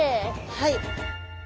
はい。